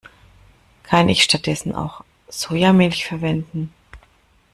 Kann ich stattdessen auch Sojamilch verwenden?